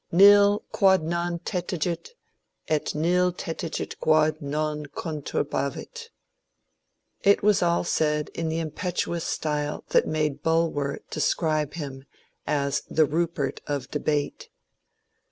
NU quod non tetigit^ et nil tetigit quod non conturhavit.^^ It was all said in the impetuous style that made Bulwer describe him as ^^ the Rupert of debate."